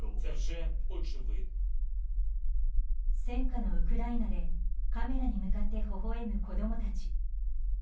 戦火のウクライナでカメラに向かってほほ笑む子供たち。